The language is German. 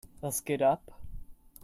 Was geht ab?